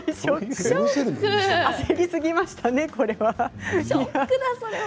焦りすぎましたね、これは。